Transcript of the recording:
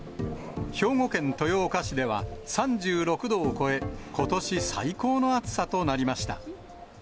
兵庫県豊岡市では３６度を超え、ことし最高の暑さとなりました。